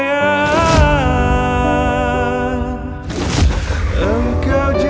engkau jauh di situ